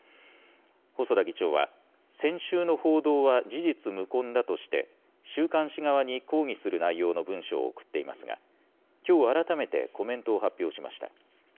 細田議長は、先週の報道は事実無根だとして、週刊誌側に抗議する内容の文書を送っていますが、きょう改めてコメントを発表しました。